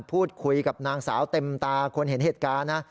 พูดคุยกับนางสาวเต็มตาคนเห็นเหตุการณ์นะ